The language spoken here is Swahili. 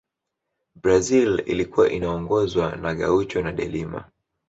brazil ilikuwa inaongozwa na gaucho na delima